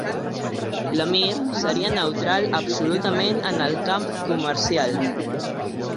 L'emir seria neutral absolutament en el camp comercial.